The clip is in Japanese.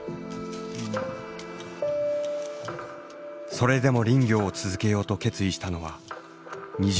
それでも林業を続けようと決意したのは２０年ほど前。